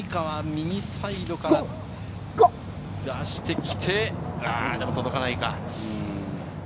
右サイドから出してきて、でも届かないか。